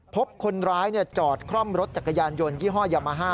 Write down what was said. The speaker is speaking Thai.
พบคนร้ายจอดคล่อมรถจักรยานยนต์ยี่ห้อยามาฮ่า